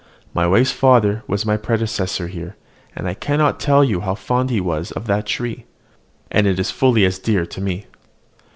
My wife's father was my predecessor here, and I cannot tell you how fond he was of that tree; and it is fully as dear to me.